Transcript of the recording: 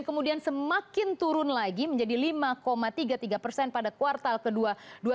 kemudian semakin turun lagi menjadi lima tiga puluh tiga persen pada kuartal kedua dua ribu dua puluh